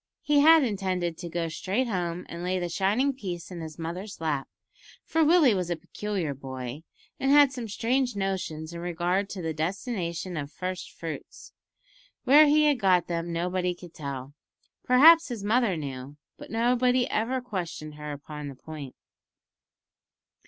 He had intended to go straight home and lay the shining piece in his mother's lap, for Willie was a peculiar boy, and had some strange notions in regard to the destination of "first fruits." Where he had got them nobody could tell. Perhaps his mother knew, but nobody ever questioned her upon the point.